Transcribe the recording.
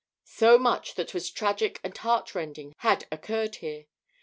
So much that was tragic and heartrending had occurred here.